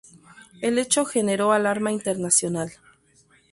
El hecho generó alarma internacional.